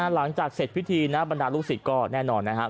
หลังจากเสร็จพิธีนะบรรดาลูกศิษย์ก็แน่นอนนะครับ